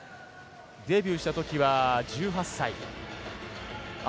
デビューしたときは１７歳。